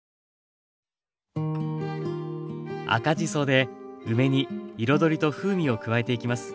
赤じそで梅に彩りと風味を加えていきます。